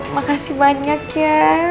makasih banyak ya